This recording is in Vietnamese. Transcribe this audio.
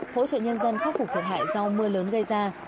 hỗ trợ nhân dân khắc phục thiệt hại do mưa lớn gây ra